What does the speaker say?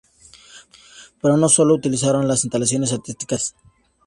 Pero no sólo utilizaron las instalaciones artistas nacionales.